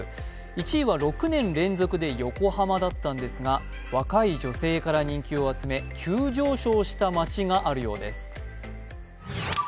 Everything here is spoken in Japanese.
１位は６年連続で横浜だったんですが若い女性から人気を集め急上昇した街があるようです。